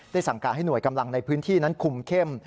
สั่งการให้หน่วยกำลังในพื้นที่นั้นคุมเข้ม